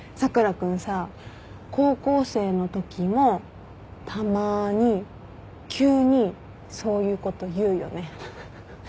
君さ高校生のときもたまに急にそういうこと言うよね。